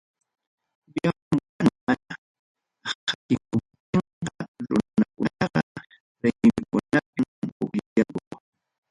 Llamkana mana atikuptinqa, runakunaqa raymikunapim pukllanku.